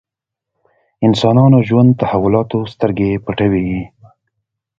انسانانو ژوند تحولاتو سترګې پټوي.